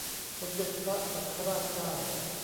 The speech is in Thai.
สมเด็จพระสังฆราชเจ้า